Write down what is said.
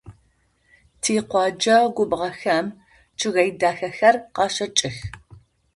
Тикъоджэ губгъохэм чъыгэе дахэхэр къащэкӏых.